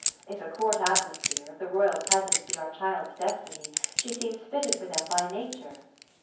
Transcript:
If a court atmosphere, if the royal pres ence be our child's destiny, she seems fitted for them by nature.